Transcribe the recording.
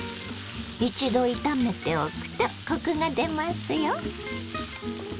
一度炒めておくとコクが出ますよ。